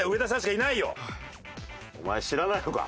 お前知らないのか？